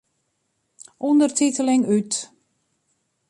Undertiteling út.